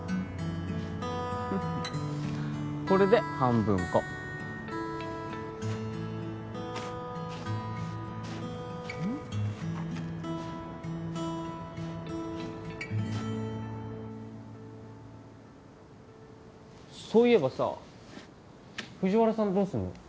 これで半分こそういえばさ藤原さんどうすんの？